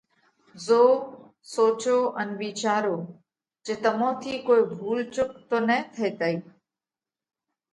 زوئو، سوچو ان وِيچارو جي تمون ٿِي ڪوئي ڀُول چُڪ تو نه ٿيتئِي!